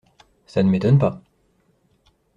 Ca ne m’étonne pas…